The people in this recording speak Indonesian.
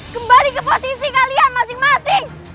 kembali ke posisi kalian masing masing